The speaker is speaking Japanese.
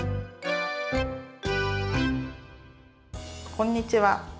こんにちは。